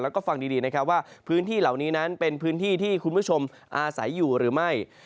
แล้วก็ฟังดีนะครับว่าพื้นที่เหล่านี้นั้นเป็นพื้นที่ที่คุณผู้ชมอาศัยอยู่หรือไม่